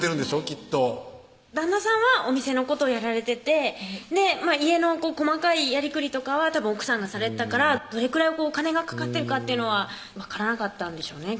きっと旦那さんはお店のことやられてて家の細かいやりくりとかはたぶん奥さんがされてたからどれくらいお金がかかってるかっていうのは分からなかったんでしょうね